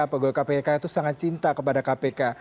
pegawai kpk itu sangat cinta kepada kpk